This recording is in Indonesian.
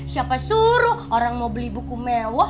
siapa suruh orang mau beli buku mewah